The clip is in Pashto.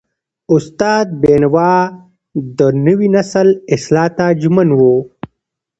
استاد بینوا د نوي نسل اصلاح ته ژمن و.